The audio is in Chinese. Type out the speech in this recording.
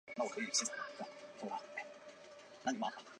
黑体深巨口鱼为辐鳍鱼纲巨口鱼目巨口鱼科的其中一种。